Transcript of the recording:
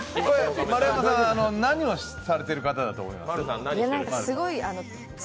丸山さん、何をされてる方だと思いますか？